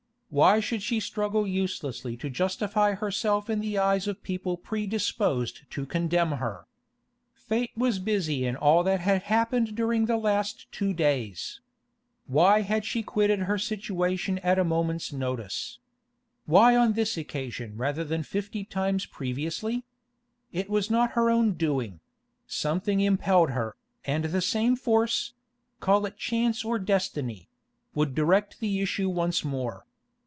Why should she struggle uselessly to justify herself in the eyes of people predisposed to condemn her? Fate was busy in all that had happened during the last two days. Why had she quitted her situation at a moment's notice? Why on this occasion rather than fifty times previously? It was not her own doing; something impelled her, and the same force—call it chance or destiny—would direct the issue once more.